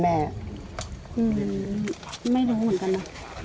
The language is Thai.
ไม่รู้เหมือนกันนะ